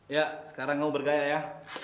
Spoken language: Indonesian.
ya sekarang kamu bergaya ya